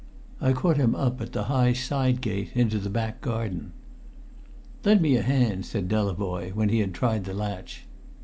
I caught him up at the high side gate into the back garden. "Lend me a hand," said Delavoye when he had tried the latch.